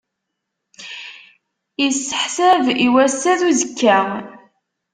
Isseḥsab i wass-a d uzekka.